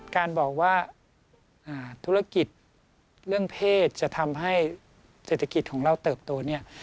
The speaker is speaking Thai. การบอกว่าธุรกิจเรื่องเพศจะทำให้เศรษฐกิจของเราเติบโตเนี่ย